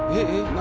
何？